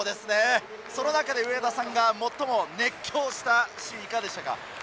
その中で上田さんが最も熱狂したシーンいかがでしたか？